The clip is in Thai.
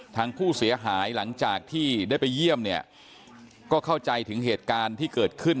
ทางผู้เสียหายหลังจากที่ได้ไปเยี่ยมเนี่ยก็เข้าใจถึงเหตุการณ์ที่เกิดขึ้น